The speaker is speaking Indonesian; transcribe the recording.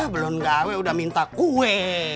belum gawe udah minta kue